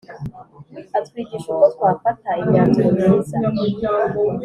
atwigisha uko twafata imyanzuro myiza